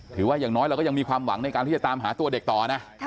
อย่างน้อยเราก็ยังมีความหวังในการที่จะตามหาตัวเด็กต่อนะ